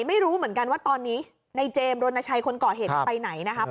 ไม่รู้เหมือนกันว่าตอนนี้ในเจมส์รณชัยคนก่อเหตุไปไหนนะครับ